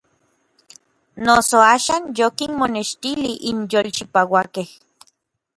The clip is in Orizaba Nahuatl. Noso axan yokinmonextilij n yolchipauakej.